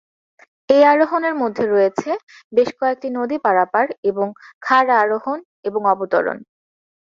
এই আরোহণের মধ্যে রয়েছে বেশ কয়েকটি নদী পারাপার এবং খাড়া আরোহণ এবং অবতরণ।